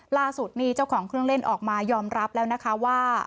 ล่าสุดนี่เจ้าของเครื่องเล่นออกมายอมรับแล้วนะคะว่า